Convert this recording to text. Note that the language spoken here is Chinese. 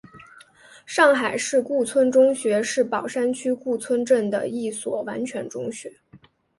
上海市顾村中学是宝山区顾村镇的一所完全中学。